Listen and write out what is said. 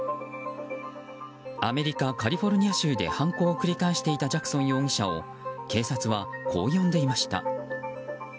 アメリカ・カリフォルニア州で犯行を繰り返していたジャクソン容疑者を警察は、こう呼んでいました。